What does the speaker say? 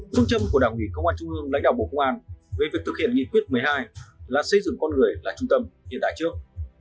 phương châm của đảng ủy công an trung ương lãnh đạo bộ công an về việc thực hiện nghị quyết một mươi hai là xây dựng con người là trung tâm hiện đại trước